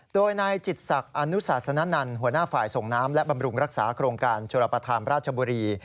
โดยนายจิตศักดิ์อนุศาสนนันหัวหน้าฝ่ายส่งน้ำและบำรุงรักษาโครงการชรปธามราชบุรี